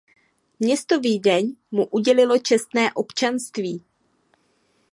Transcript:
Město Vídeň mu udělilo čestné občanství.